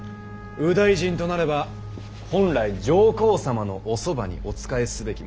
右大臣となれば本来上皇様のおそばにお仕えすべきもの。